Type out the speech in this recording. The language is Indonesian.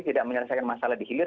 tidak menyelesaikan masalah di hilir